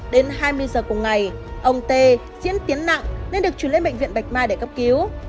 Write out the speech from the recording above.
đến hai mươi giờ cùng ngày ông tê diễn tiến nặng nên được chuyển lên bệnh viện bạch mai để cấp cứu